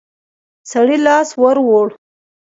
سړي لاس ور ووړ.